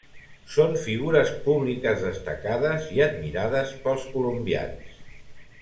Són figures públiques destacades i admirades pels colombians.